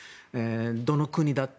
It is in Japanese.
どの国だって。